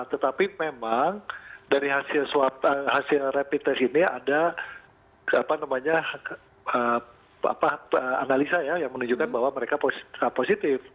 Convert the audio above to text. tetapi memang dari hasil rapid test ini ada analisa ya yang menunjukkan bahwa mereka positif